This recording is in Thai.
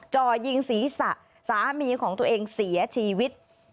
จ่อยิงศีรษะสามีของตัวเองเสียชีวิต